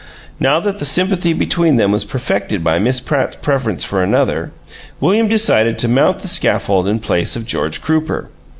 Now that the sympathy between them was perfected by Miss Pratt's preference for another, William decided to mount the scaffold in place of George Crooper.